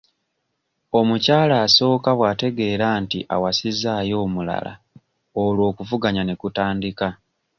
Omukyala asooka bw'ategeera nti owasizzaayo omulala olwo okuvuganya ne kutandika.